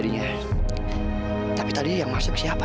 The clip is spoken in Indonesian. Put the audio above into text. selamat tinggal amira